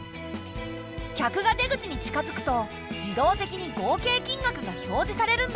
客が出口に近づくと自動的に合計金額が表示されるんだ。